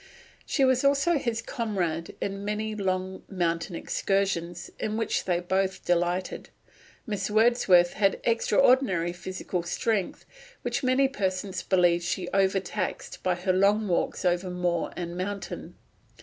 She was also his comrade in many long mountain excursions, in which they both delighted. Miss Wordsworth had extraordinary physical strength, which many persons believe she overtaxed by her long walks over moor and mountain.